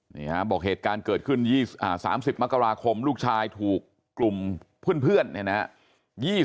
ในหน้าบอกเหตุการณ์เกิดขึ้นสามสิบมกราคมลูกชายถูกกลุ่มเพื่อนนะฮะ